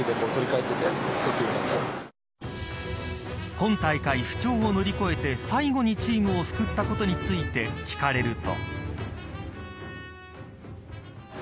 今大会、不調を乗り越えて最後にチームを救ったことについて聞かれると。